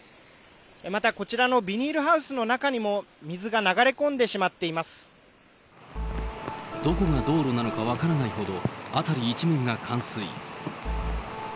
またこちらのビニールハウスの中にも水が流れ込んでしまっていまどこが道路なのか分からないほど、辺り一面が冠水。